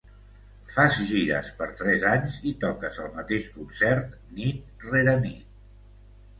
Fas gires per tres anys i toques el mateix concert nit rere nit.